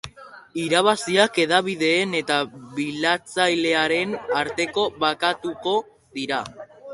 Irabaziak hedabideen eta bilatzailearen artean bakatuko dira.